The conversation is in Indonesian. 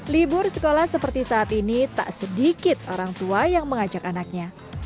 libur sekolah seperti saat ini tak sedikit orang tua yang mengajak anaknya